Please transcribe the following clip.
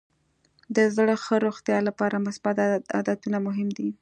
د زړه ښه روغتیا لپاره مثبت عادتونه مهم دي.